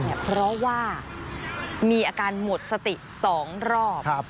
เพราะว่ามีอาการหมดสติ๒รอบ